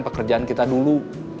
pekerjaan kita dulu